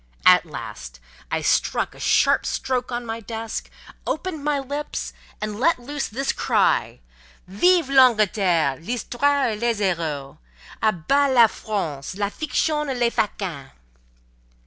At last, I struck a sharp stroke on my desk, opened my lips, and let loose this cry:— "Vive l'Angleterre, l'Histoire et les Héros! A bas la France, la Fiction et les Faquins!"